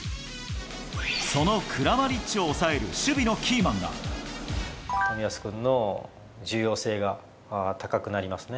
そのクラマリッチを抑える守備の冨安君の重要性が高くなりますね。